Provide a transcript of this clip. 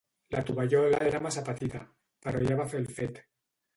La tovallola era massa petita, però ja va fer el fet.